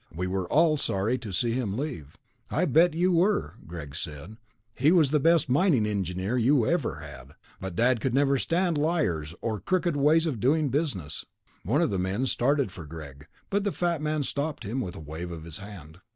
We were all sorry to see him leave." "I bet you were," Greg said, "he was the best mining engineer you ever had. But Dad could never stand liars, or crooked ways of doing business." One of the men started for Greg, but the fat man stopped him with a wave of his hand.